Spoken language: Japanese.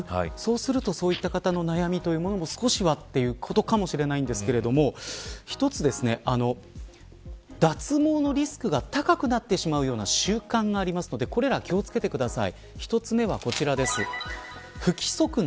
そうすると、そういった方の悩みというのも少しはということかもしれませんが一つ脱毛のリスクが高くなってしまうような習慣がありますのでこれらに気を付けてください。